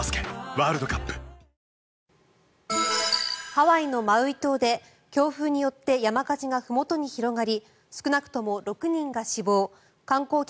ハワイのマウイ島で強風によって山火事がふもとに広がり少なくとも６人が死亡観光客